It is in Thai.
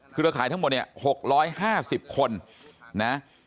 เครือข่ายทั้งหมดเนี่ย๖๕๐คนนะ